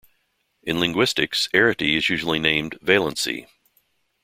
In linguistics, arity is usually named "valency".